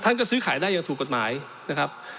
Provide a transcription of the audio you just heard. ก็ซื้อขายได้อย่างถูกกฎหมายนะครับ